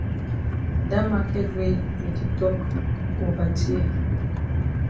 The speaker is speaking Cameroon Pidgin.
Dat maket wey you di tok ova dear.